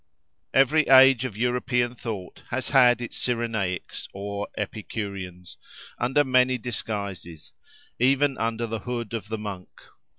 Every age of European thought has had its Cyrenaics or Epicureans, under many disguises: even under the hood of the monk.